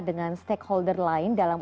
dengan stakeholder lain dalam